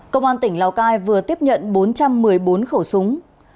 công an tỉnh lào cai vừa tiếp nhận bốn trăm một mươi bốn khẩu súng